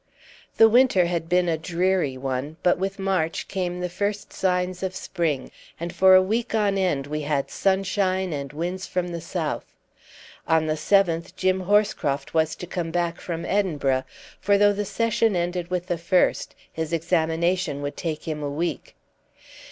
The winter had been a dreary one, but with March came the first signs of spring, and for a week on end we had sunshine and winds from the south. On the 7th Jim Horscroft was to come back from Edinburgh; for though the session ended with the 1st, his examination would take him a week.